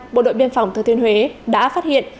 bộ đội biên phòng thừa thiên huế đã phát hiện